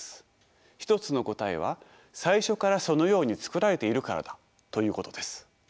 一つの答えは最初からそのように作られているからだということです。